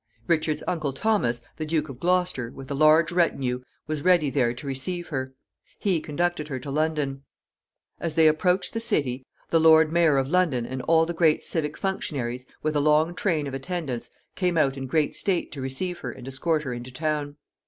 Richard's uncle Thomas, the Duke of Gloucester, with a large retinue, was ready there to receive her. He conducted her to London. As they approached the city, the lord mayor of London and all the great civic functionaries, with a long train of attendants, came out in great state to receive her and escort her into town.